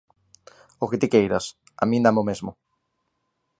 O que ti queiras, a min dáme o mesmo.